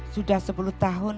sudah sepuluh tahun